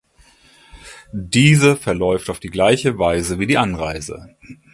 Diese verläuft auf die gleiche Weise wie die Anreise.